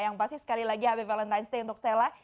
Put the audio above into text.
yang pasti sekali lagi happy valentine's day untuk stella